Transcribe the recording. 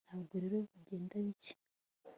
ntabwo rero bigenda bike